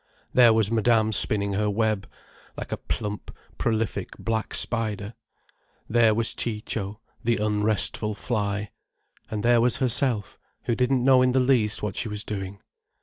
There was Madame spinning her web like a plump prolific black spider. There was Ciccio, the unrestful fly. And there was herself, who didn't know in the least what she was doing.